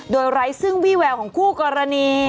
โดยไร้ซึ่งวี่แววของคู่กรณี